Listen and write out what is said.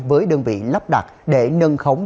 với đơn vị lắp đặt để nâng khống